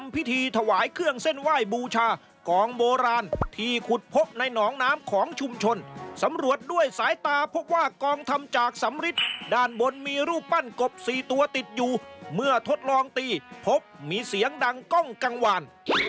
ไปติดตามพร้อมกันเลยครับ